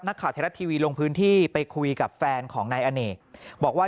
ข่าวไทยรัฐทีวีลงพื้นที่ไปคุยกับแฟนของนายอเนกบอกว่า